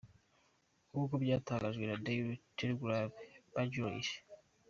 Nkuko bytangajwe na daily Telegraph, Marjorie.